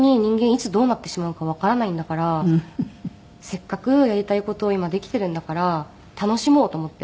いつどうなってしまうかわからないんだからせっかくやりたい事を今できているんだから楽しもうと思って。